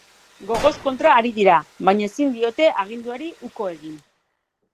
Gogoz kontra ari dira, baina ezin diote aginduari uko egin.